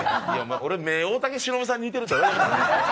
俺、目、大竹しのぶさんに似てるって。